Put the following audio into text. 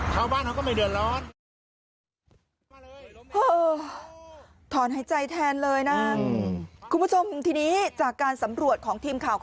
ชาวบ้านเหล่องันก็ไม่เดือดร้อน